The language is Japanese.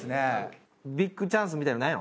ビッグチャンスみたいなのないの？